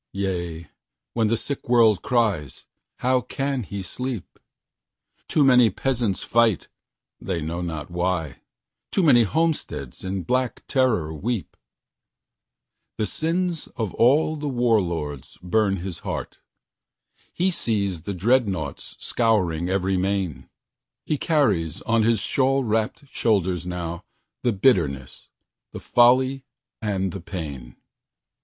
Yea, when the sick world cries, how can he sleep? Too many peasants fight, they know not why; Too many homesteads in black terror weep. The sins of all the war lords burn his heart. He sees the dreadnaughts scouring every main. He carries on his shawl wrapped shoulders nowThe bitterness, the folly and the pain.